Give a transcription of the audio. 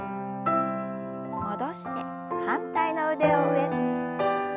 戻して反対の腕を上。